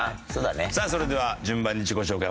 さあそれでは順番に自己紹介